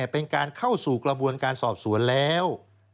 เป็นการเข้าสู่กระบวนการสอบสวนแล้ว